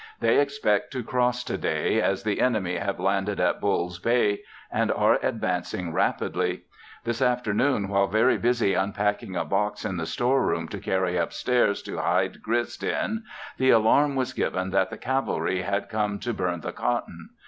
They expect to cross today, as the enemy have landed at Bull's Bay and are advancing rapidly. This afternoon while very busy unpacking a box in the store room to carry up stairs to hide grist in, the alarm was given that the cavalry had come to burn the cotton.